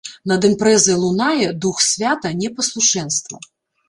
Над імпрэзай лунае дух свята непаслушэнства.